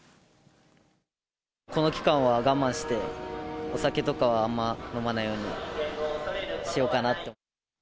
この期間は我慢して、お酒とかはあんま飲まないようにしようかなと。